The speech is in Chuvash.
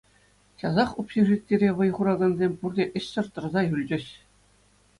Часах общежитире вӑй хуракансем пурте ӗҫсӗр тӑрса юлчӗҫ.